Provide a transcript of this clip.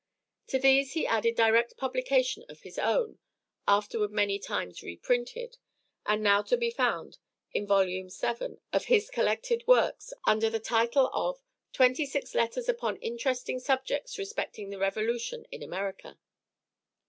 To these he added direct publication of his own, afterward many times reprinted, and now to be found in volume VII of his collected works under the title of 'Twenty six Letters upon Interesting Subjects Respecting the Revolution in America.'